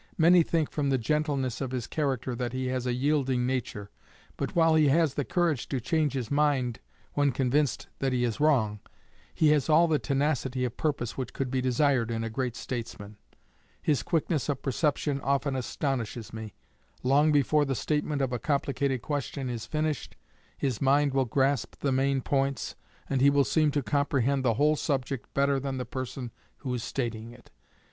Many think from the gentleness of his character that he has a yielding nature; but while he has the courage to change his mind when convinced that he is wrong, he has all the tenacity of purpose which could be desired in a great statesman. His quickness of perception often astonishes me. Long before the statement of a complicated question is finished, his mind will grasp the main points, and he will seem to comprehend the whole subject better than the person who is stating it.